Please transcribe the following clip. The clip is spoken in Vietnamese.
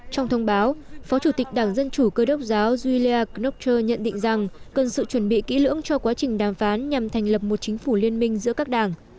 trong thông báo phó chủ tịch đảng dân chủ cơ đốc giáo julia knokcher nhận định rằng cần sự chuẩn bị kỹ lưỡng cho quá trình đàm phán nhằm thành lập một chính phủ liên minh giữa các đảng